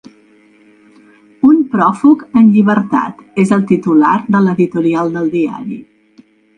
Un pròfug en llibertat, és el titular de l’editorial del diari.